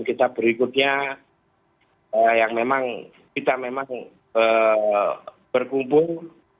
kita berikutnya yang memang kita memang berkumpul